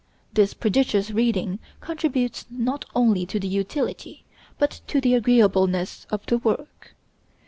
This prodigious reading contributes not only to the utility, but to the agreeableness of the work.